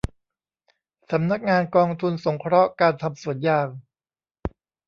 สำนักงานกองทุนสงเคราะห์การทำสวนยาง